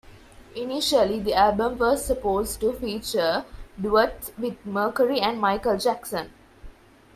Initially, the album was supposed to feature duets with Mercury and Michael Jackson.